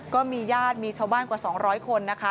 ก็มีญาติมีชาวบ้านกว่า๒๐๐คนนะคะ